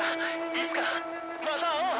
いつかまた会おう！